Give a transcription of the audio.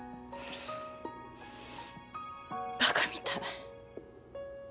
バカみたい。